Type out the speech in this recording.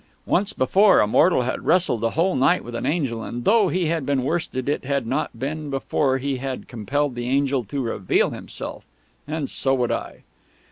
Once before, a mortal had wrestled a whole night with an angel, and though he had been worsted, it had not been before he had compelled the Angel to reveal himself! And so would I...